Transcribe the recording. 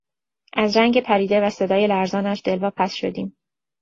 از رنگ پریده و صدای لرزانش دلواپس شدیم.